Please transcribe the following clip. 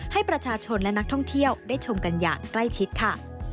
ให้ประชาชนและนักท่องเที่ยวได้ชมกันอย่างใกล้ชิดค่ะ